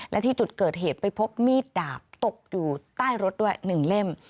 และที่จุดเกิดเหตุไปพบมีดดาบตกอยู่ใต้รถด้วย๑เล่ม